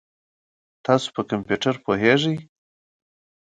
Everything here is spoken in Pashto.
تاسو په کمپیوټر پوهیږئ؟